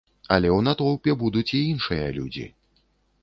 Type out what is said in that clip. Але ў натоўпе будуць і іншыя людзі.